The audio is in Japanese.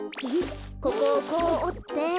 ここをこうおって。